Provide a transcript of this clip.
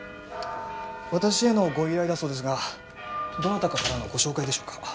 私へのご依頼だそうですがどなたかからのご紹介でしょうか？